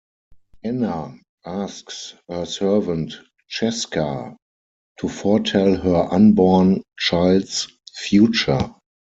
Anna asks her servant Cesca to foretell her unborn child's future.